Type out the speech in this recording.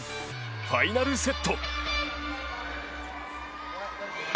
ファイナルセット。